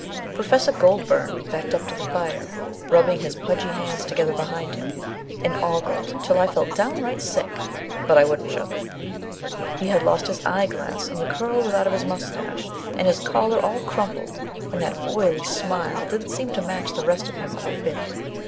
Professor Goldburn backed up to the fire, rubbed his pudgy hands together behind him, and ogled till I felt downright sick, but I wouldn't show it. He had lost his eyeglass and the curl was out of his mustache and his collar all crumpled, and that oily smile didn't seem to match the rest of him a bit.